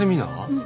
うん。